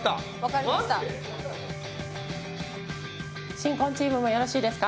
新婚チームもよろしいですか？